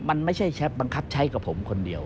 มันไม่ใช่แชปบังคับใช้กับผมคนเดียว